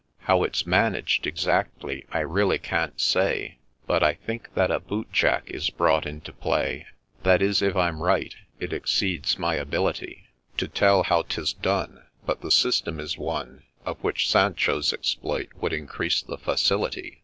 How it 's managed exactly I really can't say, But I think that a boot jack is brought into play — That is if I'm right :— it exceeds my ability To tell how 'tis done ; But the system is one Of which Sancho's exploit would increase the facility.